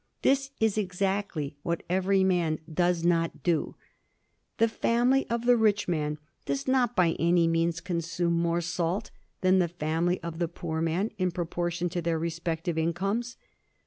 This is exactly what every man does not do. The family of the rich man does not by any means consume more salt than the family of the poor man in proportion to their respective incomes.